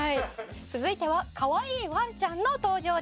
「続いてはかわいいワンちゃんの登場です」